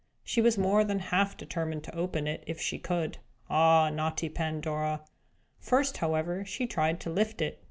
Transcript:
She was more than half determined to open it, if she could. Ah, naughty Pandora! First, however, she tried to lift it.